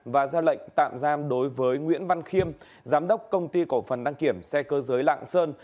và ra lệnh tạm giam đối với nguyễn văn khiêm giám đốc công ty cổ phần đăng kiểm xe cơ giới lạng sơn